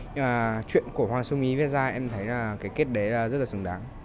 nhưng mà chuyện của hoàng xuân ý viết ra em thấy là cái kết đấy là rất là xứng đáng